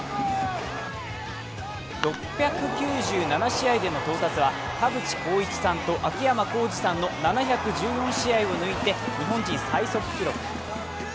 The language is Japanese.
６９７試合での到達は田淵幸一さんと秋山幸二さんの７１４試合を抜いて日本人最速記録。